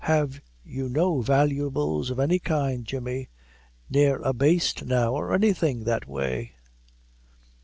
Have you no valuables of any kind, Jemmy! ne'er a baste now, or anything that way?"